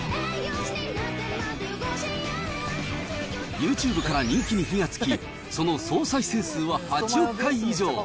ユーチューブから人気に火がつき、その総再生数は８億回以上。